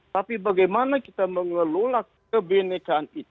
tapi bagaimana kita mengelola kebenekaan itu